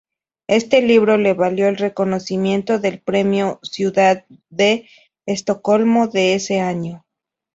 Este libro le valió el reconocimiento del Premio Ciudad de Estocolmo de ese año.